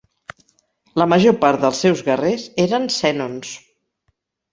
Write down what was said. La major part dels seus guerrers eren sènons.